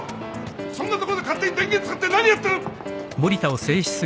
そんな所で勝手に電源使って何やってる！